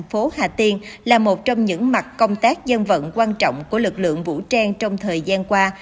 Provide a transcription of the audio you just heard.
phố hà tiên là một trong những mặt công tác dân vận quan trọng của lực lượng vũ trang trong thời gian qua